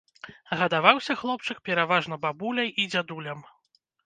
Гадаваўся хлопчык пераважна бабуляй і дзядулям.